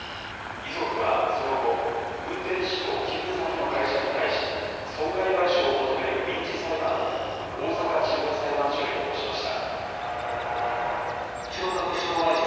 遺族はその後、運転手と勤務先の会社に対し、損害賠償を求める民事裁判を、大阪地方裁判所に起こしました。